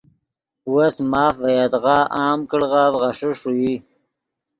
وس ماف ڤے یدغا عام کڑغف غیݰے ݰوئی